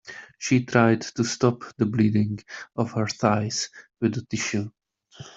She tried to stop the bleeding of her thighs with a tissue.